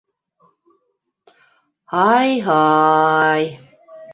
Һай-һай!..